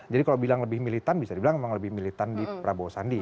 jadi kalau bilang lebih militan bisa dibilang emang lebih militan di prabowo sandi